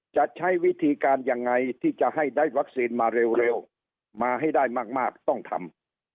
จะใช้วิธีการยังไงที่จะให้ได้วัคซีนมาเร็วมาให้ได้มากต้องทำ